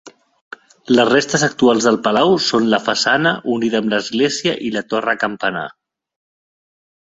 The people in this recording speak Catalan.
Les restes actuals del palau són la façana, unida amb l'església, i la torre campanar.